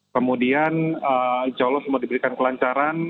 kemudian insya allah semua diberikan kelancaran